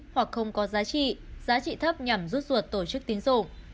hoặc không có giá trị giá trị thấp nhằm rút ruột tổ chức tín dụng